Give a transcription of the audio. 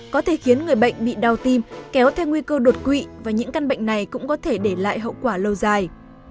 có thể khiến người bệnh bị đau tim kéo theo nguy cơ đột quỵ và những căn bệnh này cũng có thể để lại hậu quả lâu dài